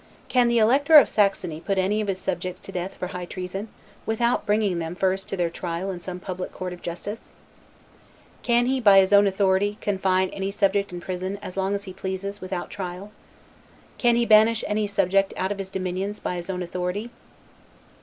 Can the Elector of Saxony put any of his subjects to death for high treason, without bringing them first to their trial in some public court of justice? Can he, by his own authority, confine any subject in prison as long as he pleases, without trial? Can he banish any subject out of his dominions by his own authority?